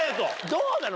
どうなの？